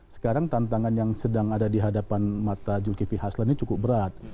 sekarang tantangan yang sedang ada di hadapan mata zulkifli haslan ini cukup berat